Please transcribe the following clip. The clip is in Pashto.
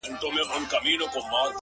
خداى دي له بدوسترگو وساته تل!!